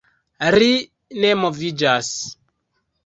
Ri ne moviĝas.